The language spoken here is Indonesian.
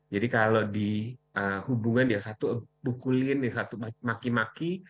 jadi kalau di hubungan yang satu bukulin yang satu maki maki